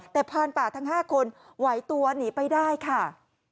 แต่พานป่าทั้ง๕คนไหวตัวหนีไปได้ค่ะ